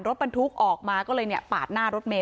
รถบรรทุกออกมาก็เลยเนี่ยปาดหน้ารถเมย